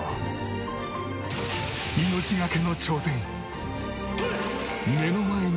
命懸けの挑戦！